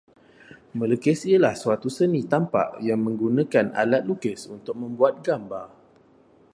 Melukis ialah suatu seni tampak yang menggunakan alat lukis untuk membuat gambar